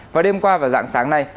và đêm qua vào dạng sáng nay